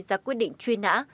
ra quyết định truy nã